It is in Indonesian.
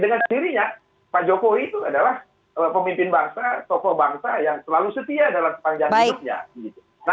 dengan sendirinya pak jokowi itu adalah pemimpin bangsa tokoh bangsa yang selalu setia dalam sepanjang hidupnya gitu